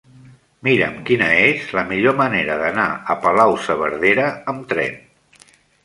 Mira'm quina és la millor manera d'anar a Palau-saverdera amb tren.